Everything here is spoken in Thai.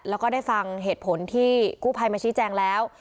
แล้วก็ได้ฟังเหตุผลที่กู้ภัยมาชี้แจงแล้ว